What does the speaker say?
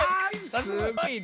すごいね。